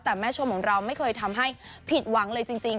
แต่แม่ชมของเราไม่เคยทำให้ผิดหวังเลยจริง